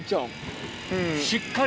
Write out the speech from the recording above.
しっかり。